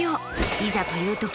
いざというとき